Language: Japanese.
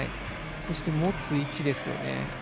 そして、持つ位置ですよね。